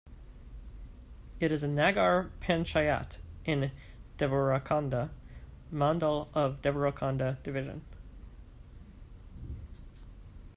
It is a nagar panchayat in Devarakonda mandal of Devarakonda division.